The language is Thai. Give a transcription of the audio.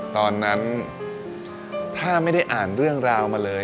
ตอนนั้นถ้าไม่ได้อ่านเรื่องราวมาเลย